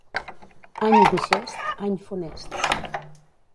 Any bixest, any funest.